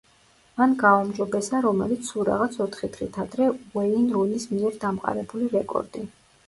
მან გააუმჯობესა რომელიც სულ რაღაც ოთხი დღით ადრე უეინ რუნის მიერ დამყარებული რეკორდი.